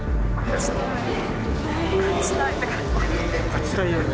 勝ちたいよね。